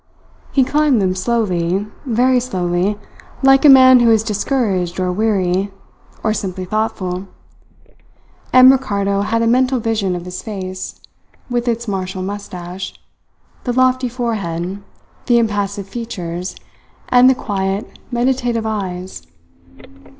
He climbed them slowly, very slowly, like a man who is discouraged or weary or simply thoughtful; and Ricardo had a mental vision of his face, with its martial moustache, the lofty forehead, the impassive features, and the quiet, meditative eyes.